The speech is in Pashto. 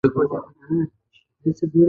د خوګ غوښه واردول منع دي